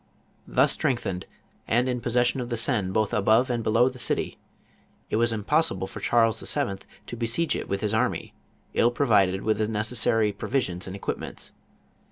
Thus strengthened, and in possesslfm of the Seine both above and below the citj', it was impossible for Charles VII. to besiege it with his army, ill provided with the necessary provisions and equipments.